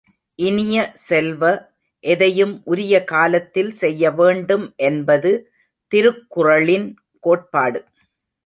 இனிய செல்வ, எதையும் உரிய காலத்தில் செய்யவேண்டும் என்பது திருக்குறளின் கோட்பாடு.